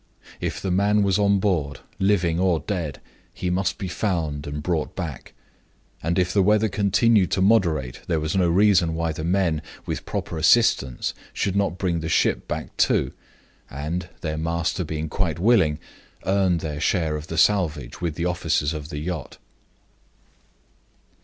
If the man was on board living or dead he must be found and brought back. And if the weather continued to be moderate, there was no reason why the men, with proper assistance, should not bring the ship back, too, and (their master being quite willing) earn their share of the salvage with the officers of the yacht.